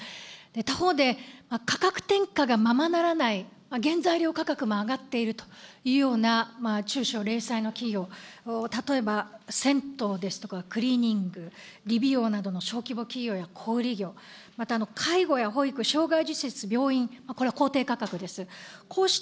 他方で、価格転嫁がままならない、原材料価格も上がっているというような中小零細の企業、例えば、銭湯ですとか、クリーニング、理美容などの小規模企業や小売業、また介護や保育、、病院、これは公定価格です。